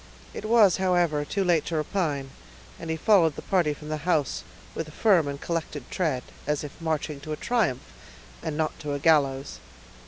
It was, however, too late to repine; and he followed the party from the house with a firm and collected tread, as if marching to a triumph, and not to a gallows.